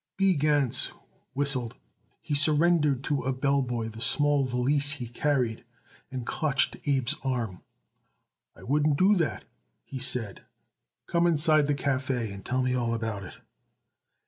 B. Gans whistled. He surrendered to a bell boy the small valise he carried and clutched Abe's arm. "I wouldn't do that," he said. "Come inside the café and tell me all about it."